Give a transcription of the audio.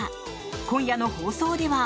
今夜の放送では。